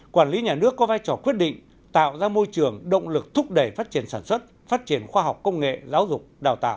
quản lý nhà nước có vai trò quyết định tạo ra môi trường động lực thúc đẩy phát triển sản xuất phát triển khoa học công nghệ giáo dục đào tạo